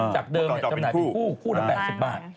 จากเดิมจำหน่ายเป็นคู่คู่ละ๘๐บาท